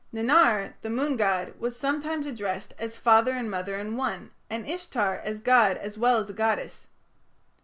Nannar, the moon god, was sometimes addressed as father and mother in one, and Ishtar as a god as well as a goddess.